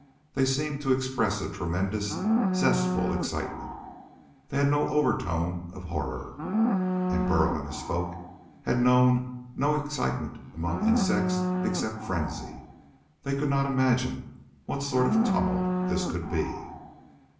They seemed to express a tremendous, zestful excitement. They had no overtone of horror. And Burl and his folk had known of no excitement among insects except frenzy. They could not imagine what sort of tumult this could be.